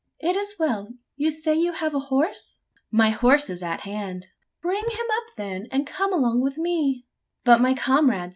"It is well You say you have a horse?" "My horse is at hand." "Bring him up, then, and come along with me!" "But my comrades?